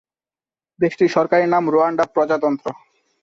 দেশটির সরকারি নাম রুয়ান্ডা প্রজাতন্ত্র।